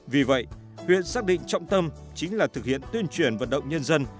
vì vậy huyện xác định trọng tâm chính là thực hiện tuyên truyền vận động nhân dân